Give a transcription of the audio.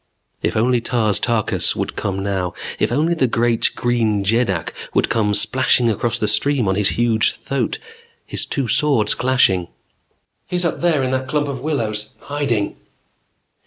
If only Tars Tarkas would come now. If only the great Green Jeddak would come splashing across the stream on his huge thoat, his two swords clashing "He's up there in that clump of willows hiding!"